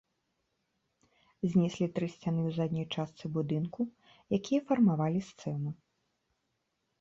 Знеслі тры сцяны ў задняй частцы будынку, якія фармавалі сцэну.